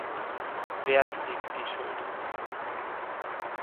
Wer trägt die Schuld?